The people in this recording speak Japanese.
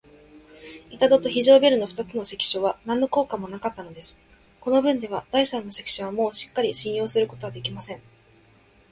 板戸と非常ベルの二つの関所は、なんの効果もなかったのです。このぶんでは、第三の関所もうっかり信用することはできません。